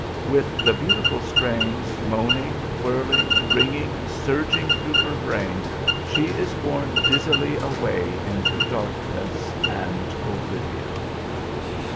With the beautiful strains moaning, whirling, ringing, surging through her brain, she is borne dizzily away into darkness and oblivion.